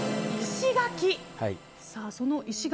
石垣。